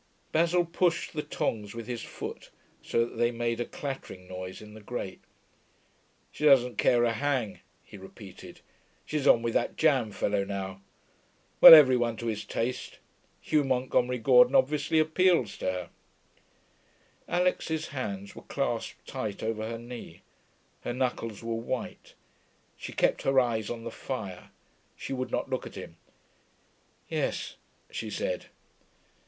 Basil pushed the tongs with his foot, so that they made a clattering noise in the grate. 'She doesn't care a hang,' he repeated. 'She's on with that jam fellow now. Well, every one to his taste. Hugh Montgomery Gordon obviously appeals to hers.' Alix's hands were clasped tight over her knee. Her knuckles were white. She kept her eyes on the fire. She would not look at him. 'Yes,' she said.